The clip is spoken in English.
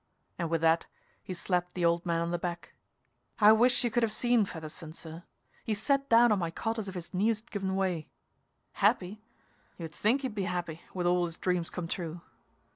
And with that he slapped the old man on the back. I wish you could have seen Fedderson, sir. He sat down on my cot as if his knees had given 'way. Happy? You'd think he'd be happy, with all his dreams come true.